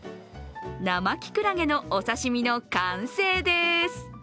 生キクラゲのお刺身の完成です。